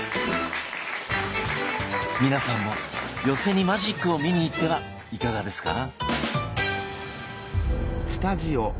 皆さんも寄席にマジックを見に行ってはいかがですか？